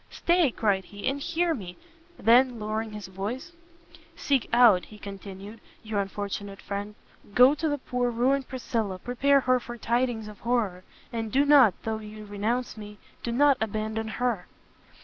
"Stay," cried he, "and hear me!" then, lowering his voice, "seek out," he continued, "your unfortunate friend, go to the poor ruined Priscilla, prepare her for tidings of horror! and do not, though you renounce Me, do not abandon Her!"